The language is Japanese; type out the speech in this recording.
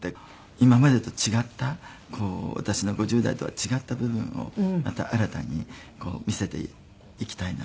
今までと違った私の５０代とは違った部分をまた新たに見せていきたいなって。